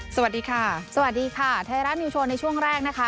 สวัสดีค่ะสวัสดีค่ะไทยรัฐนิวโชว์ในช่วงแรกนะคะ